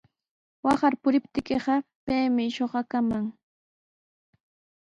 Waqar puriptiiqa paymi shuqakaman.